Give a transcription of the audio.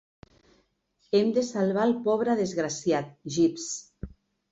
Hem de salvar el pobre desgraciat, Jeeves.